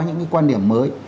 những cái quan điểm mới